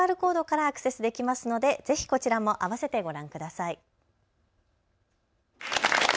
右上のＱＲコードからアクセスできますので、ぜひこちらもあわせてご覧ください。